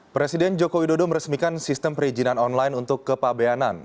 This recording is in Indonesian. presiden jokowi dodo meresmikan sistem perizinan online untuk kepabeanan